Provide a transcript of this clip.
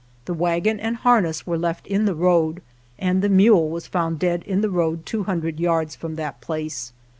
The wagon and harness were left in the road, and the mule was found dead in the road two hundred yards from that place.